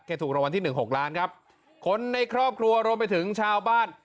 ถูกรางวัลที่หนึ่งหกล้านครับคนในครอบครัวรวมไปถึงชาวบ้าน